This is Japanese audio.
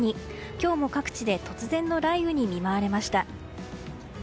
今日も各地で突然の雷雨に見舞われました。